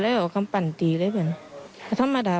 แล้วเราจะเอาเรื่องให้เจ็บมั้ย